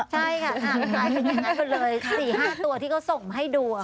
ใช่ค่ะใช่เลยสี่ห้าตัวที่เขาส่งให้ดูอ่ะ